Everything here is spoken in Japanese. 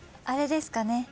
あれですかね。